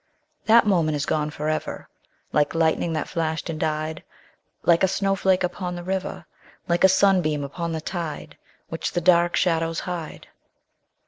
_5 2. That moment is gone for ever, Like lightning that flashed and died Like a snowflake upon the river Like a sunbeam upon the tide, Which the dark shadows hide.